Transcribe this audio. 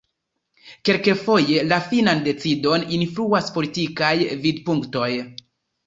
Kelkfoje la finan decidon influas politikaj vidpunktoj.